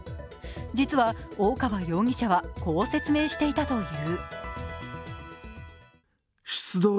実は大川容疑者はこう説明していたという。